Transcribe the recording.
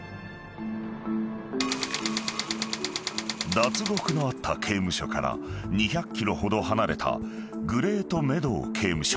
［脱獄のあった刑務所から２００ｋｍほど離れたグレートメドウ刑務所］